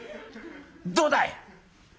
どうだい！